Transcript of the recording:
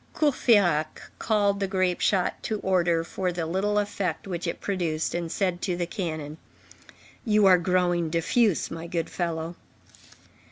Courfeyrac called the grape shot to order for the little effect which it produced, and said to the cannon: "You are growing diffuse, my good fellow."